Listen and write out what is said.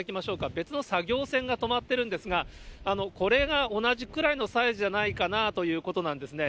別の作業船が止まってるんですが、これが同じくらいのサイズじゃないかなということなんですね。